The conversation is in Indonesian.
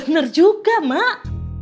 bener juga mak